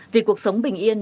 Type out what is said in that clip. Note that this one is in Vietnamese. vì cuộc sống bình yên